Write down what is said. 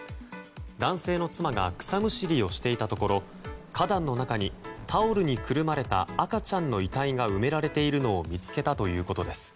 男性の妻が草むしりをしていたところ花壇の中にタオルにくるまれた赤ちゃんの遺体が埋められているのを見つけたということです。